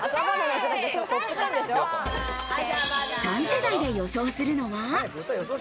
３世代で予想するのは。